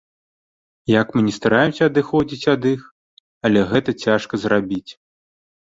Як мы ні стараемся адыходзіць ад іх, але гэта цяжка зрабіць.